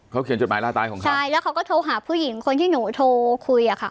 เขาเขียนจดหมายล่าตายของเขาใช่แล้วเขาก็โทรหาผู้หญิงคนที่หนูโทรคุยอะค่ะ